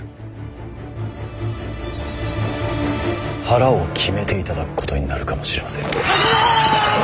腹を決めていただくことになるかもしれません。